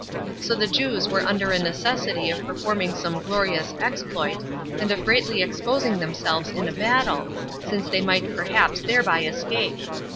So the Jews were under a necessity of performing some glorious exploit, and of greatly exposing themselves in a battle, since they might perhaps thereby escape.